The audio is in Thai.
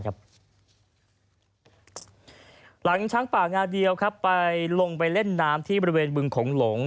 หลังจากทั้งช้างป่างานเดียวลงไปเล่นน้ำที่บริเวณบึงของหลง